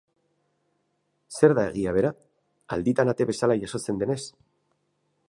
Zer da egia bera, alditan ate bezala jazotzen denez?